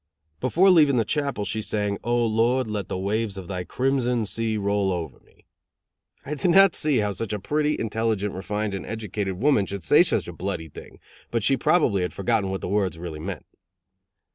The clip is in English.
Before leaving the chapel, she sang: "O Lord, let the waves of thy crimson sea roll over me." I did not see how such a pretty, intelligent, refined and educated woman could say such a bloody thing, but she probably had forgotten what the words really meant.